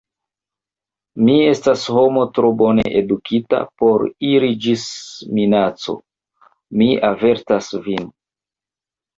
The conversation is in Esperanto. Mi estas homo tro bone edukita por iri ĝis minaco: mi avertas vin.